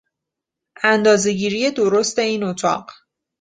اندازهگیری درست این اتاق